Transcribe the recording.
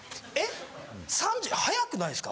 早くないですか？